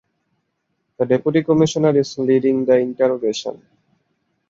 The deputy commissioner is leading the interrogation.